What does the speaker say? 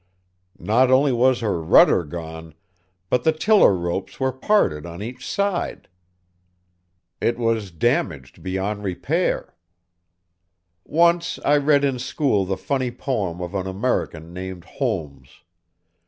Not only was her rudder gone, but the tiller ropes were parted on each side. It was damaged beyond repair! "Once I read in school the funny poem of an American named Holmes.